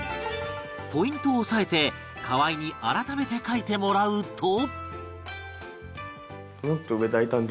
ポイントを押さえて河合に改めて書いてもらうと